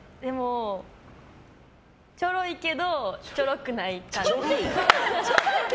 ちょろいけどちょろくない感じ。